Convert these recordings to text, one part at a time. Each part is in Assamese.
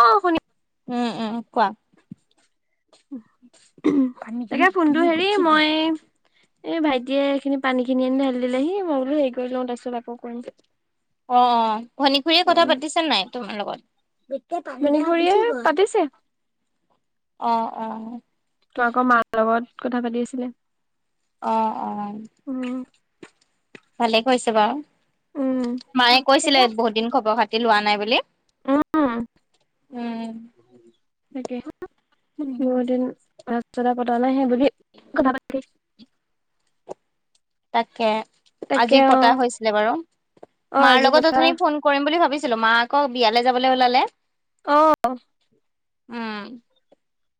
অ শুনি, উম উম কোৱা তাকে ফুোনটো হেৰি মই এ ভাইটিয়ে সখিনি পানী খিনি আনি ঢালি দিলেহি মই বোলো হেৰি কৰি লওঁ তাৰপিছত আকৌ কৰিম অ অ ভনী খুৰীয়ে কথা উম পাতিছে নাই তোমাৰ লগত ভনিখুৰীয়ে পাতিছে অ, অ, তো আকৌ মাৰ লগত কথা পাতি আছিলে অ, অ, উম ভালে কৈছে বাৰু উম মায়ে কৈছিলে বহুত দিন খবৰ খাতি লোৱা নাই বুলি অ উম তাকে বহুদিন ৰাস্তা পতা নাই হে বুলি কথা তাকে তাকে আজি অ পতা হৈছিলে বাৰু অ মাৰ আজি লগত পতা যথনি ফোন কৰিম বুলি ভাবিছিলো ছিলো মা আকৌ বিয়ালৈ যাবলৈ ওলালে আ,, উম।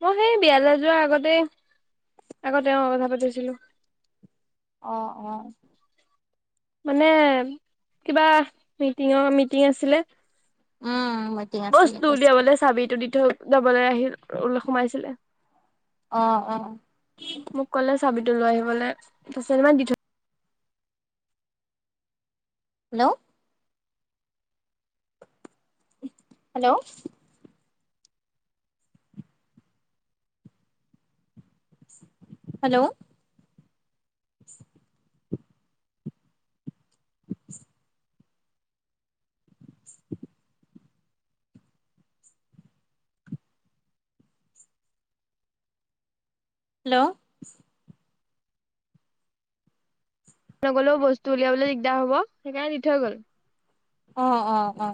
মই সেই বিয়ালৈ যোৱাৰ আগতে আকৌ তেওঁ কথা পাতিছিলো অ, অ, মানে কিবা মিটিঙৰ মিটিং আছিলে উম। মিটিং আছে বুলি বস্তুটো কৈছে উলিয়াবলৈ চাবিটো দি থৈ যাবলৈ আহিল ওলপ সোমাইছিলে অ, অ, চাবিতটো লৈ আহিবলৈ তাৰপিছত ইমান দি থৈ হেল্ল' হেল্ল' হেল্ল' [inaudible] হেল্ল', নগ'লেও বস্তু উলিয়াবলৈ দিগদাৰ হ'ব সেইকাৰণে দি থৈ গ'ল অ অ অ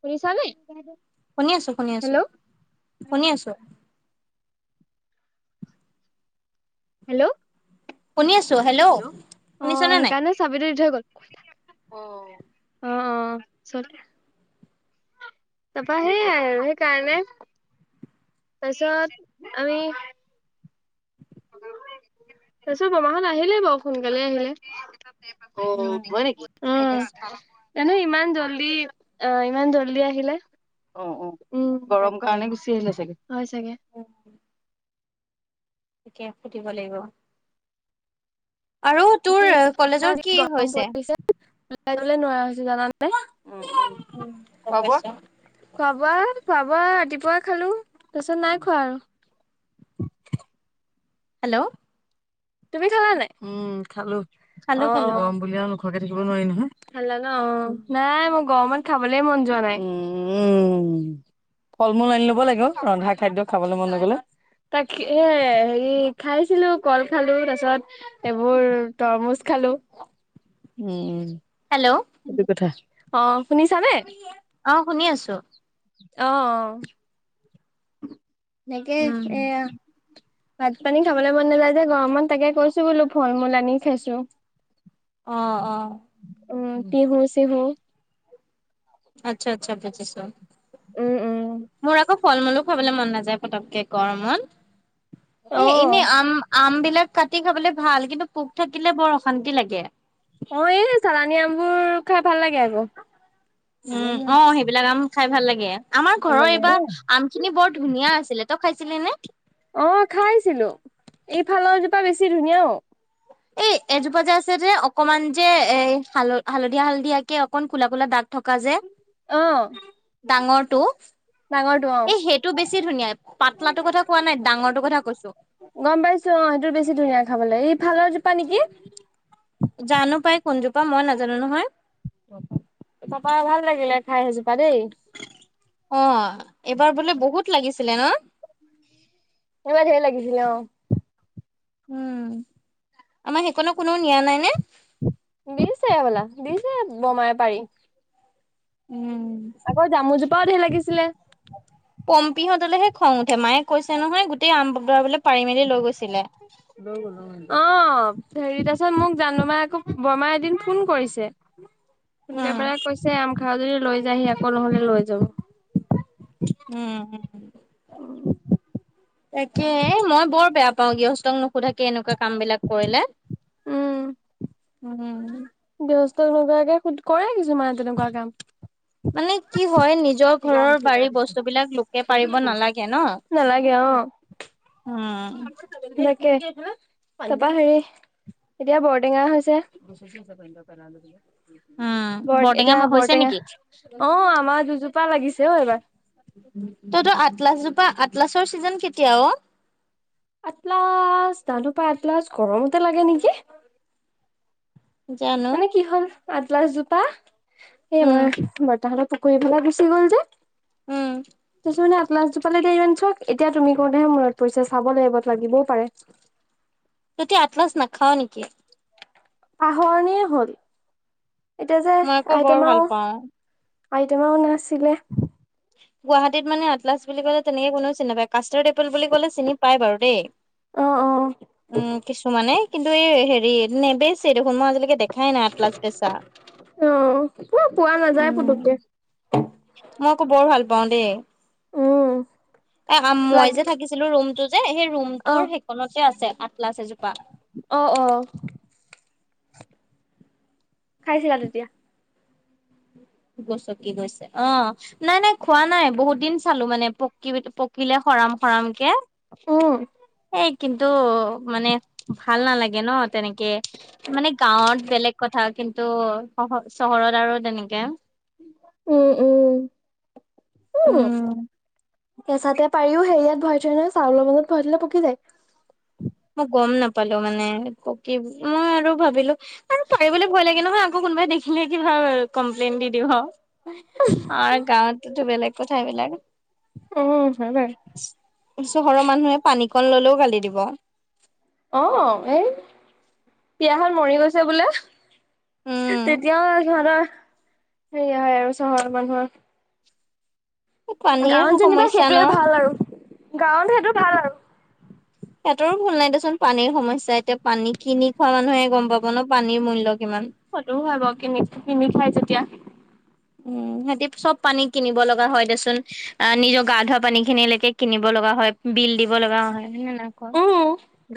পুলিচাল শুনি আছো শুনি আছো শুনি আছোঁ হেল্ল', শুনি আছো হেল্ল' েল অ শুনিছনে নাই? সেইকাৰণে চাবিটো দি থৈ গ'ল অ অ চল তাপা সেই আৰু সেইকাৰণে তছ আমি তাৰপিছত বমাাহত আহিলে বাৰু সোনকালে আহিলে অ উম বক উ গম পাইছো জানো ইমান জল্দি অ ইমান জল্দি আহিলে অ অ' উম গৰম তাকে কাৰণে গুচি আহিলে চাগে হয় চাগে। ফুধিব লাগিব। আৰু তোৰ কলেজৰ কি গৰম হৈছে? পৰিছে লাইলে নোৱাৰা হৈ হৈছে জানা নাই। উম ক্প বিচা। খোৱা বোৱা খোৱা বোৱা ৰাতিপুৱা খালো তাৰপিছত নাই খোৱা আৰু হেল্ল', তুমি খালা নাই উম খালো অ খালো অ খালো বুলি থ নোৱাৰ নয় খালা ন অ নাই মই গৰমত খাবলে মন যোৱা নাই উ উম ফল মূল আনি লব লাগিব ৰন্ধা খাদ্য খাবলৈ মন ন গলে। তাক এ হেৰি খাইছিলো কল। খালো তাৰছত এইবোৰ তৰমুজ খালো উম হেল্ল' সেইটো কথা অ শুনিছানে? অ', শুনি আছো। আহ', আহ সনেকে উম এয়া ভাত পানী খাবলৈ মন নাযায় যে গৰমত তাকে কৈছো বোলো ফল মূল আনি খাইছো। আহ আহ' উম কিহ চহ আচ্ছা আচ্ছা পজিছ উম উম মোৰক ফল মূলো খাবলৈ মন নাযায় পকে গৰমত অ এ এনে আম আম বলাক কাটি খাবলৈ ভাল কিন্তু পোক থাকিলে বৰ অশান্তি লাগে। অ', এই চালানী আমবোৰ খাই ভাল লাগে আকৌ ভাল উম অ সেইবিলাক আম খাই ভাল লাগে আমাৰ ঘৰৰ লাগে এইবাৰ আম খিনি বৰ ধুনীয়া আছিলে ত খাইছিলি নে অ খাইছিলো এইফালৰজোপা বেছি ধুনীয়াও এই এজোপা যে আছে যে অকনমান যে এাল হালধীয়া হালধিয়াকে অকন কোলা কোলা দাগ থকা যে অ ডাঙৰটো ডাঙৰটো অ এই সেইটো বেছি ধুনীয়া পাতলাটো কথা কোৱা নাই ডাঙৰটো কথা কৈছো গম পাইছো অ সেইটো বেছি ধুনীয়া খাবলৈ ই ভালৰজোপা নেকি জানো পাই কোনজোপা মই নাজানো নহয় তাপা ভাল লাগিলে খাই সজোপা দেই অ এইবাৰ বোলে বহুত লাগিছিলে ন এব ভ লাগিছিলো। উম আমাৰ সেইকো কোনো নিয়া নাই নে? দিছে বলা দিছে বোমাই পাৰি। আকৌ জামুজোপাও [unintelligible] লাগিছিলে। পম্পিহঁতলেহে খং উঠে মায়ে কৈছে নহয় গোটেই আম বাপদৰাবোলে পাৰি মেলি লৈ গৈছে। অ, হেৰি তাৰপিছত মোক জানো মা আকৌ বৰমা এদিন ফোন কৰিছে কোনকে উম পাৰে কৈছে আম খাৱ যদি লৈ যায়হি আকৌ নহলে লৈ যাৱ উম গৃহস্থং নোসোধাকে এনেকুৱা কাম বিলাক কৰিলে উম, য তেনেকুৱাকে কৰে কিছুমানে তেনেকুৱা কাম মানে কি হয় নিজ নিজৰ ঘৰৰ বাৰী বস্তু বিলাক লোকে পাৰিব নালাগে ন নালাগে অ'। উম তাকে তাপা হেৰি এতিয়া বৰটেঙা হৈছে উম, বৰ বৰটেঙা এতিয়া হৈছে বৰটেঙা নেকি? অ আমাৰ দুজোপা লাগিছে অ এবাৰ তই তোৰ আটলাছজোপা আটলাছৰ চিজন কেতিয়া অ আটলাচ দানোপা আটলাচ গৰমতে লাগে নেকি জানো মানে কি হ'ল আদলাছজোপা এই উম মমাৰ বৰ্তাহতৰ পুখুৰী ফালে গুচি গ'ল যে উম। তাৰপিছত মানে আটলাছজোপালেৰিান চা এতিয়া তুমি কোতেহে মূৰত পৰিছ চাব লাগ এইবত লাগিবও পাৰে ততি আতলচ নাখাও নেকি? পাহৰণিয়েই হল এতিয়া যে মই আকৌ বৰ আইটেমাও ভাল পাওঁ। আইত মাও ন আছিলে গুৱাহাটীত মানে [unintelligible] বুলি কলে তেনেকে কোনেও চিনি নাপায় কাষ্টাৰ্ডপুল বুলি কলে চিনি পায় বাৰু দেই অ অ উম কিছুমানে কিন্তু এই হেৰি নেবেচ দেখ [unintelligible] আজিলৈকে দেখাই নাই আটলাচ বেচা অ পুৰা পোৱা নাযায় পুতুককে মই [unintelligible] এ উম মই লাগ যে থাকিছিলো ৰুমটো যে সেই অ ৰুমটোৰ সেইকনতে আছে আতলাচ এজোপা অ অ খাইছিলা তেতিয়া গচকি গৈছে অ নাই নাই খোৱা নাই বহুত দিন চালো মানে পক [unintelligible] পকিলে খৰাম খৰামকে উম এই কিন্তু মানে ভাল নালাগে ন তেনেকে মানে গাঁৱত বেলেগ কথা কিন্তু ত' চহৰত আৰু তেনেকে উম, উম, উম, কেঁচাতে পাৰিও হেৰিয়াত ভৰাই থয় নহয় চাউলৰ মাজত ভৰাই থলে পকি যায় মই গম নাপালো মানে পকি মই আৰু ভাবিলো আৰু পাৰিবলৈ ভয় লাগে নহয় আকৌ কোনোবাই দেখিলে কিবা কমপ্লেইন দি দিব আৰু গাঁৱতটোতো বেলেগ কথা এইবিলাক উম হয় বাৰু চহৰৰ মানুহে পানীকণ ললেও গালি দিব অ এই পিয়াহত মৰি গৈছে বোলে উম তেতিয়াও সিহঁতৰ হেৰি হয় আৰু চহৰৰ মানুহৰ পানীৰ গাঁৱত যেনিবা সমস্যা ন সেইটোয়ে ভাল আৰু গাঁৱত সেইটো ভাল আৰু সিহঁতৰো ভুল নাই দেচোন পানীৰ সমস্যা এতিয়া পানী কিনি খোৱা মানুহে গম পাব ন পানীৰ মূল্য কিমান সেইটোও হয় বাৰু কিনি কিনি খাই যেতিয়া উম সিহঁতি চব পানী কিনিব লগা হয় দেচোন অ নিজৰ গা ধোৱা পানী খিনিলৈকে কিনিব লগা হয় বিল দিব লগা হয় উম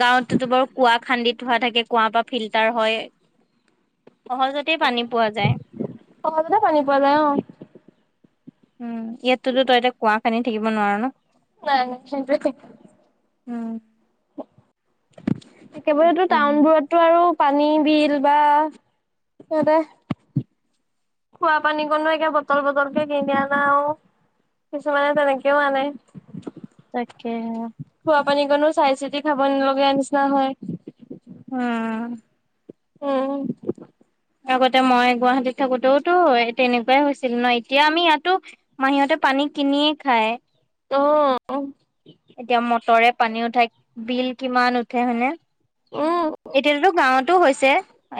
গাঁৱততো বাৰু কুুৱা খান্দি কুঁৱা থাকে কুঁৱাৰ পৰা ফিল্টাৰ হয় সহজতে পানী পোৱা যায়। সহজতে পানী পোৱা যায় অ। উম ইয়াতোতো তই এতিয়া কুৱা খান্দি থাকিব নোৱাৰ ন নাই নাই উম। একেবাৰেতো তাকে টাউনবোৰতো আৰু পানী বিল বা সিহঁতে খোৱা পানী কনো, একে বটল, বটলকে কিনি আনা আৰু। কিছুমানে, তেনেকেও আনে। তাকে। খোলা পানীকণো চাই চিতি খাব নলগা, নিচিনা হয়। উম। উম। আগতে মই গুৱাহাটীত থাকোতেওতো, তেনেকুৱাই হৈছিল ন, এতিয়া আমি ইয়াতো মাহীহঁতে পানী পানী কিনিয়ে খায়। অ'। এতিয়া মটৰে পানী উঠাই, বিল কিমান উঠে হয়নে, উম এতিয়াতো গাঁৱতো হৈছে।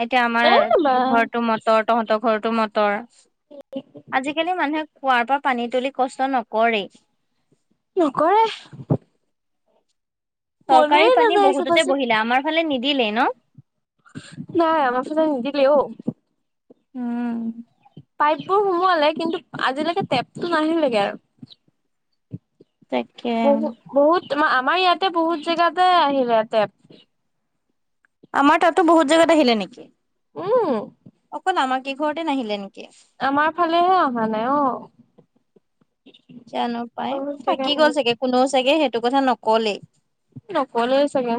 এতিয়া আমাৰ এ বা ঘৰৰটো মটৰ, তহঁতৰ ঘৰতো মটৰ। আজি কালি মানুহে কুঁৱাৰ পৰা পানী তুলি কষ্ট নকৰেই। নকৰে। মনেই চৰকাৰী পানী নাযায় বহুততে চাবাচোন বহিলে আমাৰ ফালে নিদিলেই ন। নাই আমাৰ ফালে নিদিলে অ উম। পাইপ বোৰ সোমোৱালে। কিন্তু আজিলৈকে টেপতটো নাহিল লেগে আৰু। তাকে। বহু বহুত আমাৰ ইয়াতে বহুত জেগাতে আহিলে টেপ। আমাৰ তাতো বহুত জেগাত আহিলে নেকি। উম। অকল আমাৰ কেই ঘৰতে নাহিলে, নেকি। আমাৰ ফালেহে অহা নাই, অ'। জানো পাই, বহুত থাকি জেগাত গ'ল আহিলে। চাগে, কোনেও চাগে সেইটো কথা নকলেই। নকলে চাগে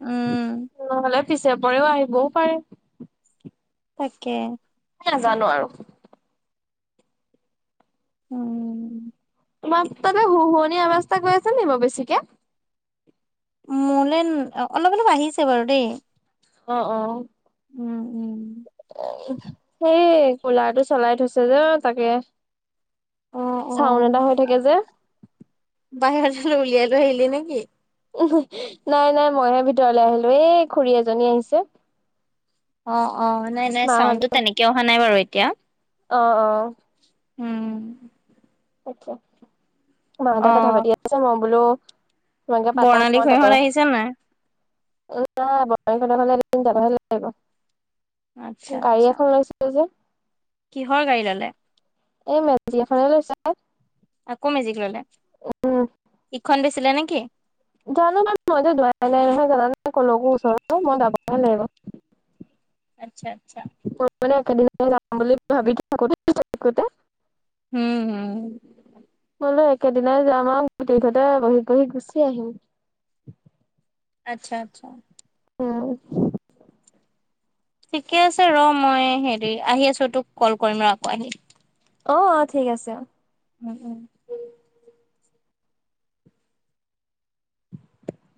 উম নহ'লে পিছে পৰেও, আহিবও পাৰে। তাকেই। নাজানো আৰু উম। তোমাৰ তাতে শুহুৱনীয়া আৱাজ এটা গৈ আছে নি, বাৰু বেছিকে। মোলৈ অলপ, অলপ আহিছে বাৰু দেই। অ', অ'। উম, উম। কলাৰটো চলাই থৈছে যে, তাকে। অ অ চাউন এটা হৈ থাকে, যে বাহিৰৰ লৈ উলিয়াই আৰু আহলি নে কি? নাই, নাই মইহে ভিতৰলৈ আহিলো এই খুৰী এজনী আহিছে। অ', অ', নাই, নাই মাহঁত চাউডটো তেনেকে অহা নাই বাৰু এতিয়া। অ', অ'। উম। [unintelligible] অ, মাহঁতে অ কথা পাতি আছে মই বোলো। মকে পাতাম বৰ্ণালী মই তাতে। খুৰীহঁত আহিছে নাই মই যাম এদিন বৰ্তাহঁতৰ তাতলৈ যাবহে লাগিব। আচ্ছা গাড়ী আচ্ছা এখন লৈছিলে যে। কিহৰ গাড়ী ললে? এই মেকজি এখনে লৈছে। আকৌ মিজিক ললে, উম ইখন বেছিলে নেকি? জানো বাৰু, মইতো জোৱাই নাই, নহয়। জানা নাই কলৈকো ওচৰত মই যাব লাগিব। উ। আচ্ছা -আচ্ছা মই মানে একেদিন যাম বুলি ভাবি থাকোঁতে। উম, হম। হলেও একেদিনাই যাম আৰু। গোটেই ঘৰতে বহি- বহি গুচি আহিম। আচ্ছা- আচ্ছা উম। ঠিকে আছে ৰ। মই হেৰি আহি আছো তোক কল কৰিম ৰ আকৌ আহি। অ, আহ, ঠিক আছে, অ। উম- উম। [inaudible]